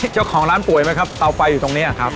เจ้าของร้านป่วยไหมครับเตาไฟอยู่ตรงนี้ครับ